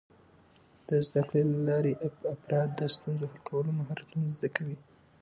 د زده کړې له لارې، افراد د ستونزو حل کولو مهارتونه زده کوي.